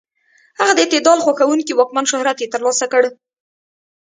هغه د اعتدال خوښونکي واکمن شهرت یې تر لاسه کړ.